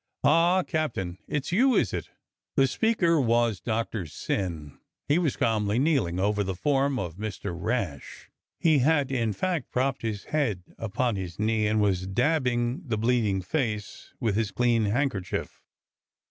Ah, Captain, it's you, is it ?" The speaker was Doc tor Syn — he was eahnly kneeling over the form of Mr. Rash. He had, in fact, propped his head upon his knee and was dabbing the bleeding face with his clean hand kerchief.